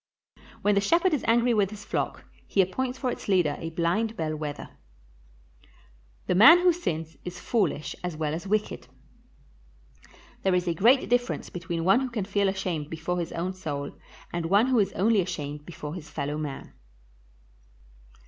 When the shepherd is angry with his flock, he appoints for its leader a blind bell wether. The man who sins is foolish as well as wicked. There is a great difference between one who can feel ashamed before his own soul and one who is only ashamed before his fellow man.